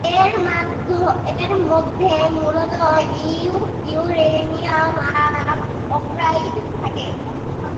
এর মধ্যে মূলত ইউরেনিয়াম অক্সাইড থাকে।